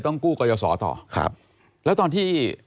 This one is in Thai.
ตั้งแต่ปี๒๕๓๙๒๕๔๘